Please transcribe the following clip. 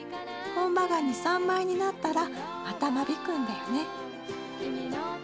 本葉が２３枚になったらまた間引くんだよね。